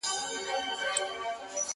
شیطان په زور نیولی٫